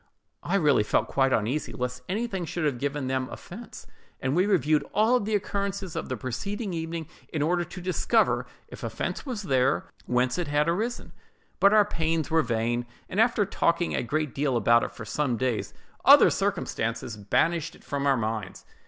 I really felt quite uneasy lest anything should have given them offence; and we reviewed all the occurrences of the preceding evening in order to discover, if offence there was, whence it had arisen. But our pains were vain; and after talking a great deal about it for some days, other circumstances banished it from our minds.